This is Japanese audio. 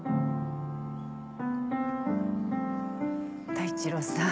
太一郎さん。